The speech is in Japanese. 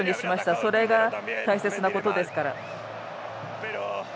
それが、大切なことですから。